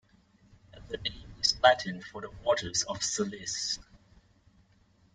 The name is Latin for the waters of Sulis.